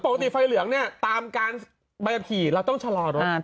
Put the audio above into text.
ปกติไฟเหลืองนี่ตามการบรรยากิจเราต้องชะลอรถ